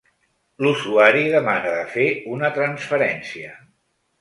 L'usuari demana de fer una transferència.